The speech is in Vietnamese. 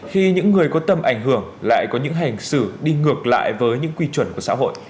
khi những người có tầm ảnh hưởng lại có những hành xử đi ngược lại với những quy chuẩn của xã hội